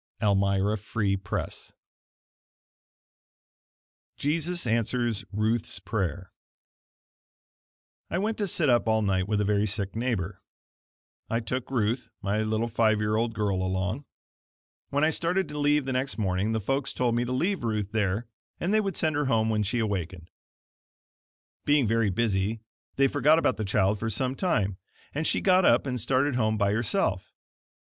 Elmira Free Press Jesus Answers Ruth's Prayer I went to sit up all night with a very sick neighbor. I took Ruth, my little five year old girl along. When I started to leave the next morning, the folks told me to leave Ruth there and they would send her home when she awakened. Being very busy, they forgot about the child for some time, and she got up and started home by herself.